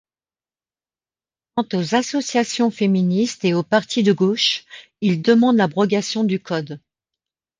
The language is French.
Quant aux associations féministes et aux partis de gauche, ils demandent l'abrogation du code.